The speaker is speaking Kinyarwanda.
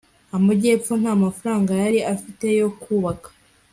amajyepfo nta mafaranga yari afite yo kubaka